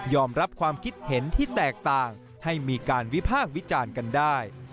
รับความคิดเห็นที่แตกต่างให้มีการวิพากษ์วิจารณ์กันได้